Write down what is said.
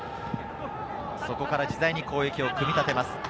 そこから自在に攻撃を組み立てます。